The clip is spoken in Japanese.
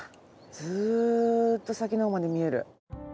ずーっと先のほうまで見える。